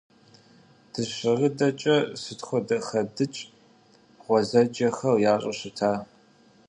Дыщэрыдэкӏэ сыт хуэдэ хэдыкӏ гъуэзэджэхэр ящӏу щыта!